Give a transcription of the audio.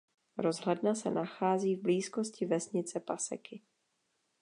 Rozhledna se nachází v blízkosti vesnice Paseky.